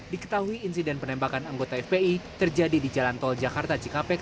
diketahui insiden penembakan anggota fpi terjadi di jalan tol jakarta cikampek